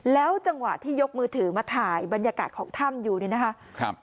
แล้วจังหวะที่ยกมือถือมาถ่ายบรรยากาศของถ้ำอยู่นี่นะคะครับ